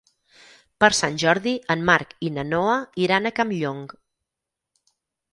Per Sant Jordi en Marc i na Noa iran a Campllong.